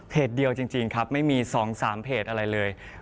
เดียวจริงครับไม่มี๒๓เพจอะไรเลย